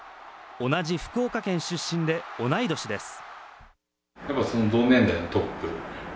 同じ福岡県出身で同い年です。